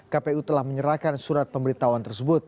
kpu telah menyerahkan surat pemberitahuan tersebut